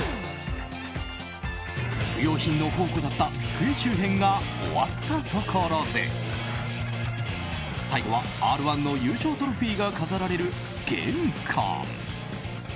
不要品の宝庫だった机周辺が終わったところで最後は「Ｒ‐１」の優勝トロフィーが飾られる玄関。